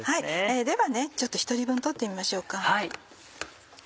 ではちょっと１人分取ってみましょうか。